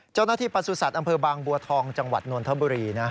เจ้าหน้าที่ปราสุสัตว์อำเภอบางบัวทองจังหวัดนนทบุรีนะ